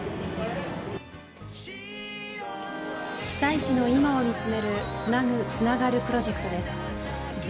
被災地の今を見つめる「つなぐ、つながるプロジェクト」です。